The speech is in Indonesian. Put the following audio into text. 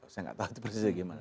saya nggak tahu itu persis bagaimana